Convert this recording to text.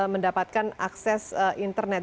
mendapatkan akses internet